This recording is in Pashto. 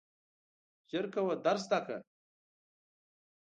ژر کوه درس زده کړه !